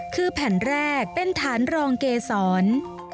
คือแผ่นแรกเป็นฐานรองเกษร